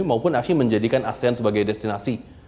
maupun acture menjadikan asean sebagai destinasi